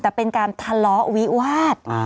แต่เป็นการทะเลาะวิวาส